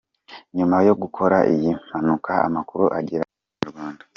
Nyuma yo gukora iyi mpanuka amakuru agera ku Inyarwanda.